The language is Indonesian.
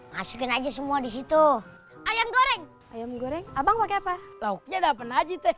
masukin aja semua disitu ayam goreng ayam goreng abang pakai apa